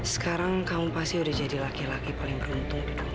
sekarang kamu pasti udah jadi laki laki paling beruntung di dunia ini